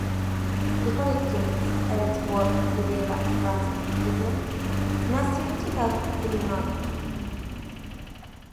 Hijo de James Ellsworth y de Eva Frances Butler, nació en Chicago, Illinois.